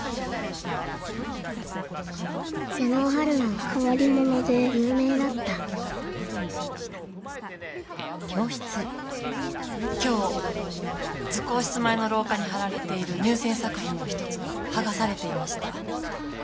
妹尾陽菜はかわりものでゆうめいだった今日図工室前のろうかにはられている入せん作品の一つがはがされていました。